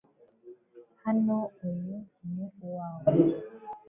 Hano, uyu ni uwawe .